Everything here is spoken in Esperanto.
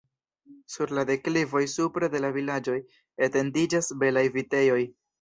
Sur la deklivoj supre de la vilaĝoj etendiĝas belaj vitejoj.